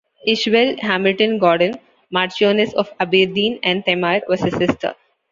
Ishbel Hamilton-Gordon, Marchioness of Aberdeen and Temair, was his sister.